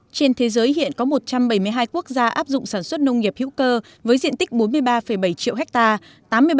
trên thế giới hiện có một trăm bảy mươi hai quốc gia áp dụng sản xuất nông nghiệp hữu cơ với diện tích bốn mươi ba bảy triệu hectare